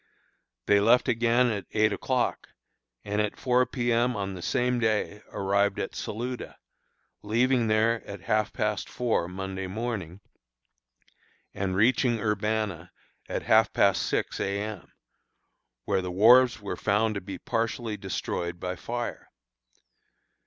They left again at eight o'clock, and at four P. M. on the same day arrived at Saluda, leaving there at half past four Monday morning, and reaching Urbanna at half past six A. M., where the wharves were found to be partially destroyed by fire.